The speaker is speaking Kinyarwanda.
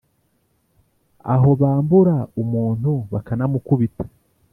Aho bambura umuntu bakanamukubita